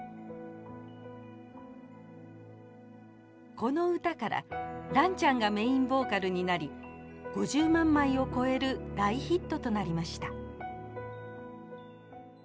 この歌からランちゃんがメインボーカルになり５０万枚を超える大ヒットとなりました。